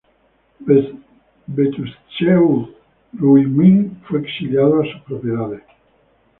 Bestuzhev-Ryumin fue exiliado a sus propiedades.